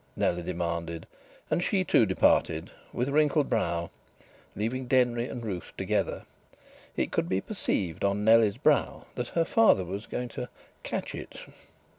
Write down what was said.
Nellie demanded, and she, too, departed, with wrinkled brow, leaving Denry and Ruth together. It could be perceived on Nellie's brow that her father was going "to catch it."